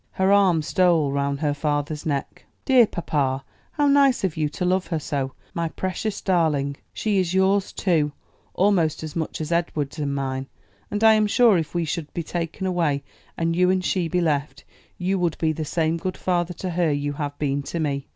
Her arm stole round her father's neck. "Dear papa, how nice of you to love her so; my precious darling. She is yours, too, almost as much as Edward's and mine. And I am sure if we should be taken away and you and she be left, you would be the the same good father to her you have been to me."